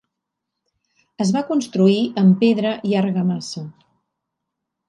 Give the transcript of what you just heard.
Es va construir amb pedra i argamassa.